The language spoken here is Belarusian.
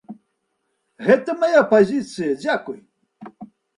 Гэта мая пазіцыя, дзякуй.